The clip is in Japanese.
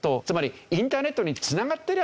つまりインターネットに繋がっ